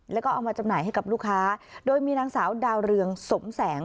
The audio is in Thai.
แล้วก็เอามาจำหน่ายให้กับลูกค้าโดยมีนางสาวดาวเรืองสมแสง